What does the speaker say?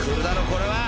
これは！